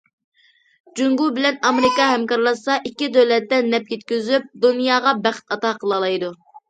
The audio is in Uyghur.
جۇڭگو بىلەن ئامېرىكا ھەمكارلاشسا، ئىككى دۆلەتكە نەپ يەتكۈزۈپ، دۇنياغا بەخت ئاتا قىلالايدۇ.